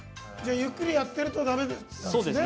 ゆっくりやってるとだめなんですね。